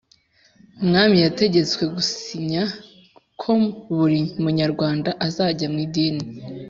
umwami yategetswe gusinya ko buri munyarwanda azajya mu idini